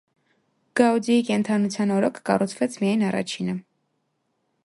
Գաուդիի կենդանության օրոք կառուցվեց միայն առաջինը։